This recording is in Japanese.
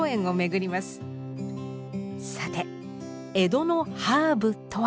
さて江戸のハーブとは。